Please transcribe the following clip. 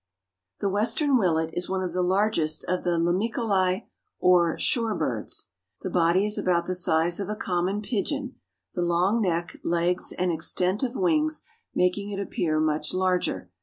_) The Western Willet is one of the largest of the Limicolae or Shore Birds. The body is about the size of a common pigeon, the long neck, legs and extent of wings making it appear much larger.